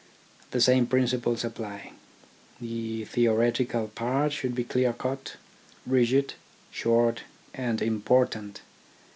The same principles apply. The theo retical part should be clear cut, rigid, short, and important.